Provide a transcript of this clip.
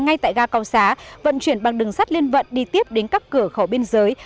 ngay tại ga cao xá vận chuyển bằng đường sắt liên vận đi tiếp đến các cửa khẩu biên giới